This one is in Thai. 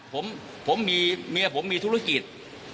ผมมีเมียผมมีธุรกิจ